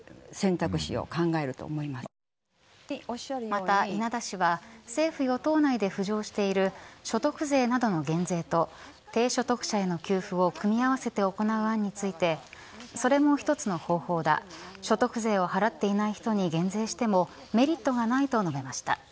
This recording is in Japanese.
また稲田氏は政府与党内で浮上している所得税などの減税と低所得者への給付を組み合わせて行う案についてそれも一つの方法だ所得税を払っていない人に減税してもメリットがないと述べました。